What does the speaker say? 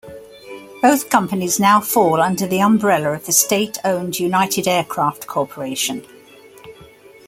Both companies now fall under the umbrella of the state-owned United Aircraft Corporation.